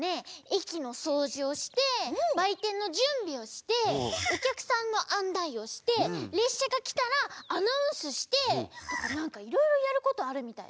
駅のそうじをしてばいてんのじゅんびをしておきゃくさんのあんないをしてれっしゃがきたらアナウンスしてとかなんかいろいろやることあるみたいだよ。